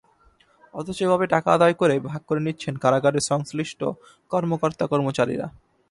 অথচ এভাবে টাকা আদায় করে ভাগ করে নিচ্ছেন কারাগারের সংশ্লিষ্ট কর্মকর্তা-কর্মচারীরা।